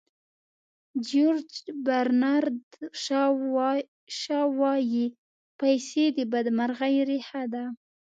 جیورج برنارد شاو وایي پیسې د بدمرغۍ ریښه ده.